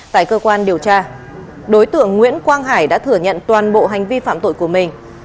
tại cơ quan điều tra đối tượng nguyễn quang hải đã thừa nhận toàn bộ hành vi phạm tội của mình